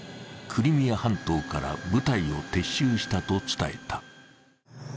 クリミア半島から部隊を撤収したと伝えた。